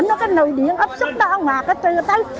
nó có nồi điện ấp sốc đó ở ngoài